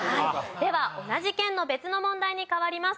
では同じ県の別の問題に変わります。